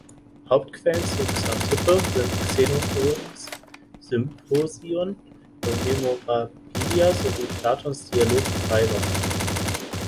Hauptquellen zu Xanthippe sind Xenophons "Symposion" und "Memorabilia" sowie Platons Dialog "Phaidon".